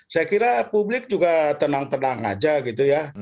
saya kira publik juga tenang tenang aja gitu ya